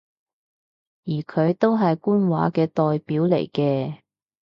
而佢都係官話嘅代表嚟嘅